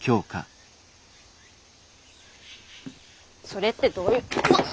それってどういううわっ！